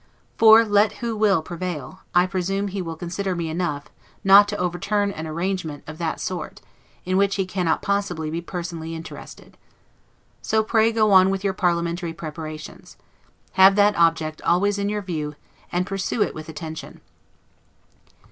For, let who will prevail, I presume, he will consider me enough, not to overturn an arrangement of that sort, in which he cannot possibly be personally interested. So pray go on with your parliamentary preparations. Have that object always in your view, and pursue it with attention.